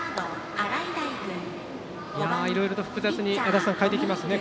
いろいろと複雑に変えてきますね